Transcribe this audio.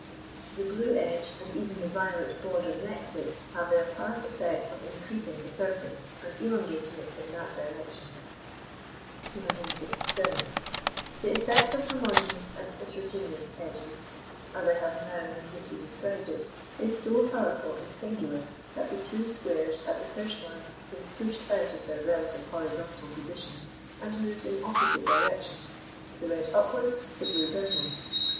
The blue edge and even the violet border next it have the apparent effect of increasing the surface, and elongating it in that direction. 267. The effect of homogeneous and heterogeneous edges, as I have now minutely described it, is so powerful and singular that the two squares at the first glance seem pushed out of their relative horizontal position and moved in opposite directions, the red upwards, the blue downwards.